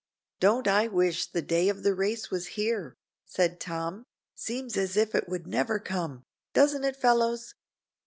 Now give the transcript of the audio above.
"Don't I wish the day of the race was here," said Tom. "Seems as if it would never come, doesn't it, fellows?"